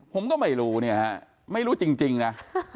ผมก็ไม่รู้เนี่ยฮะไม่รู้จริงนะ